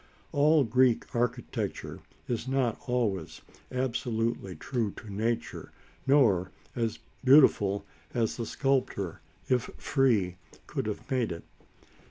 All Greek sculpture is not always absolutely true to nature nor as beautiful as the sculptor, if free, could have made it.